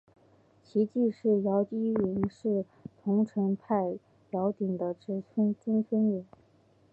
其继室姚倚云是桐城派姚鼐的侄曾孙女。